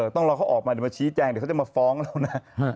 ต้องรอเขาออกมาเดี๋ยวมาชี้แจงเดี๋ยวเขาจะมาฟ้องเรานะ